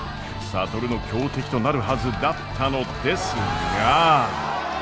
智の強敵となるはずだったのですが。